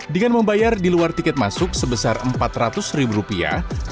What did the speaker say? dengan membayar di luar tiket masuk sebesar empat ratus ribu rupiah